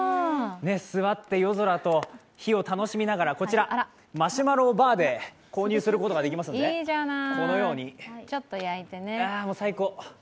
座って夜空と火を楽しみながら、こちら、マシュマロをバーで購入することができますのでこのようにああ、もう最高。